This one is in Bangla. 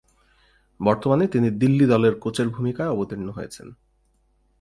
বর্তমানে তিনি দিল্লি দলের কোচের ভূমিকায় অবতীর্ণ হয়েছেন।